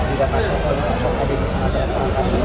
juga partai partai pemilu pemilu yang ada di sumatera selatan ini